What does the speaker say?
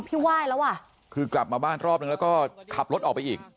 ไหว้แล้วอ่ะคือกลับมาบ้านรอบนึงแล้วก็ขับรถออกไปอีก